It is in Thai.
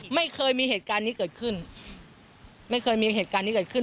ไม่เคยมีเหตุการณ์นี้เกิดขึ้นไม่เคยมีเหตุการณ์นี้เกิดขึ้น